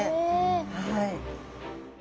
はい。